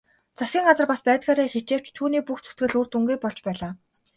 Засгийн газар бас байдгаараа хичээвч түүний бүх зүтгэл үр дүнгүй болж байлаа.